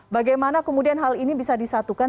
bagaimana kemudian hal ini bisa disatukan